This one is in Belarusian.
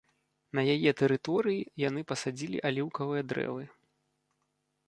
На яе тэрыторыі яны пасадзілі аліўкавыя дрэвы.